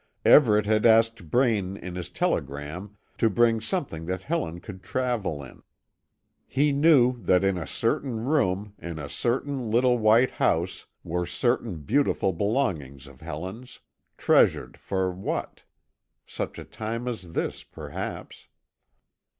Everet had asked Braine in his telegram to bring something that Helen could travel in. He knew that in a certain room, in a certain little white house, were certain beautiful belongings of Helen's; treasured for what? Such a time as this, perhaps.